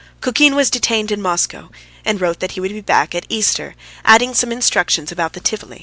Kukin was detained in Moscow, and wrote that he would be back at Easter, adding some instructions about the Tivoli.